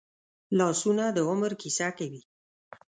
لاسونه د عمر کیسه کوي